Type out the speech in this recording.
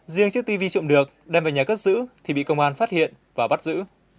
riêng chiếc tivi trộm được đem về nhà cất giữ thì bị công an phát hiện và bắt giữ